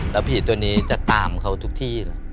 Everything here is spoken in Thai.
แล้วผีตัวนี้จะตามเขาทุกที่แหละ